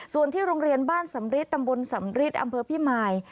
ส่วนที่โรงเรียนบ้านสำริทตำบลสำริทอำเภอพิมาย